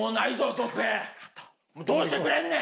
どうしてくれんねん！